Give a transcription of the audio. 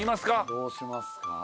どうしますか？